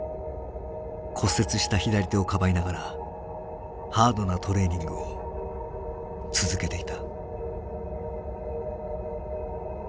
骨折した左手をかばいながらハードなトレーニングを続けていた。